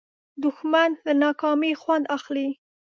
دښمن له ناکامۍ خوند اخلي